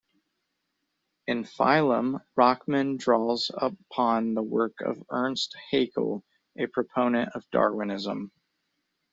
In "Phylum", Rockman draws upon the work of Ernst Haeckel, a proponent of Darwinism.